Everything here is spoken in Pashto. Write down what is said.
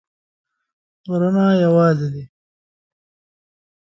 غرونه یوازي دي